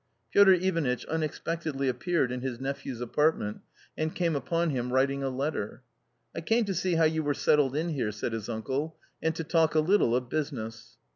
Piotr Ivanitch unexpectedly appeared in his nephew's apartment and came upon him writing a letter. " I came to see how you were settled in here," said his uncle, " and to talk a little of business."